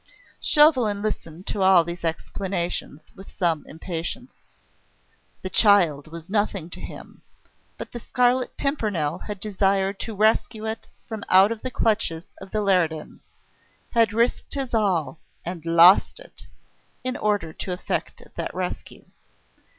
Chauvelin listened to all these explanations with some impatience. The child was nothing to him, but the Scarlet Pimpernel had desired to rescue it from out of the clutches of the Leridans; had risked his all and lost it in order to effect that rescue!